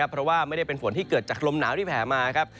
เพราะว่าไม่ได้เป็นฝนที่เกิดจากลมหนาวที่แผ่มาครับ